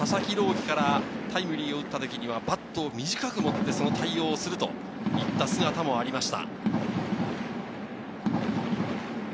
希からタイムリーを打った時にはバットを短く持って対応するという姿がありました。